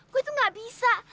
gue tuh gak bisa